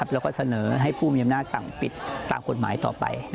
แล้วก็เสนอให้ผู้มีอำนาจสั่งปิดตามกฎหมายต่อไป